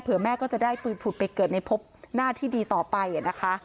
เพื่อแม่ก็จะได้ปืนผุดไปเกิดในพบหน้าที่ดีต่อไปนะคะ